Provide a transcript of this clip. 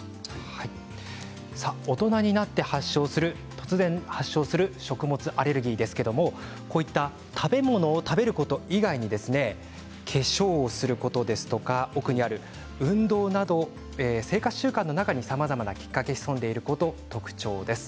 大人になって突然発症する食物アレルギーですけれども食べ物を食べること以外に化粧をすることですとか運動など生活習慣の中にさまざまなきっかけが潜んでいることが特徴です。